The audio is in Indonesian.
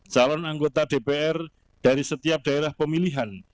calon anggota dpr dari setiap daerah pemilihan